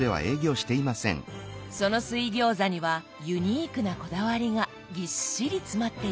その水餃子にはユニークなこだわりがぎっしり詰まっていました。